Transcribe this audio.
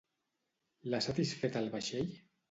L'ha satisfet el vaixell?